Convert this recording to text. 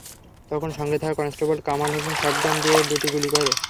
তখন সঙ্গে থাকা কনস্টেবল কামাল হোসেন শটগান দিয়ে দুটি গুলি করে।